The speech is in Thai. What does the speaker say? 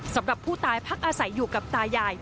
สำหรับผู้ตายพักอาศัยอยู่กับตายาย